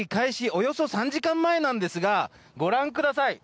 およそ３時間前ですがご覧ください。